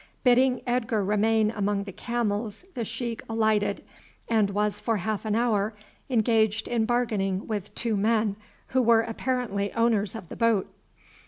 Bidding Edgar remain among the camels the sheik alighted, and was for half an hour engaged in bargaining with two men, who were apparently owners of the boat.